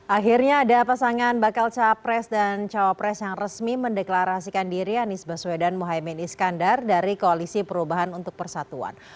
akhirnya ada pasangan bakal capres dan cawapres yang resmi mendeklarasikan diri anies baswedan mohaimin iskandar dari koalisi perubahan untuk persatuan